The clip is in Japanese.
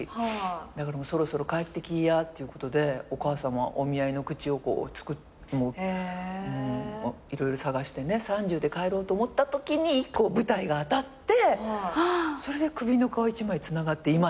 だからもうそろそろ帰ってきいやっていうことでお母さんがお見合いの口を色々探してね３０で帰ろうと思ったときに１個舞台が当たってそれで首の皮一枚つながって今に至るみたいな感じ。